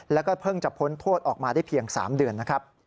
แล้วก็เพิ่งจะพ้นโทษออกมาได้เพียง๓เดือนนะครับ